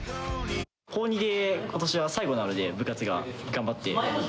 高２でことしは最後なので、部活が。